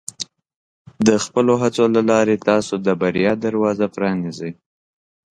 د خپلو هڅو له لارې، تاسو د بریا دروازه پرانیزئ.